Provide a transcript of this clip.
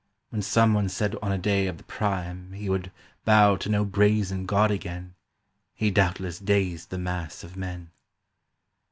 When some one said on a day of the prime He would bow to no brazen god again He doubtless dazed the mass of men.